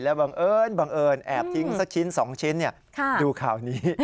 แล้วบังเอิญแอบทิ้งสักชิ้นสองชิ้น